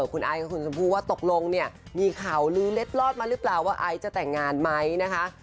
คุณไอซ์กับคุณชมพู่ว่าตกลงเนี่ยมีข่าวลื้อเล็ดลอดมาหรือเปล่าว่าไอซ์จะแต่งงานไหมนะคะ